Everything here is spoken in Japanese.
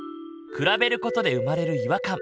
比べることで生まれる違和感。